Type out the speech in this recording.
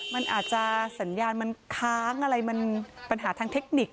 มันอาจจะสัญญาณมันค้างอะไรมันปัญหาทางเทคนิค